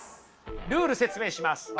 ルール説明します。